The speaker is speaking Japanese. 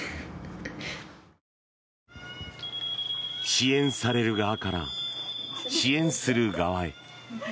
支援される側から支援する側へ。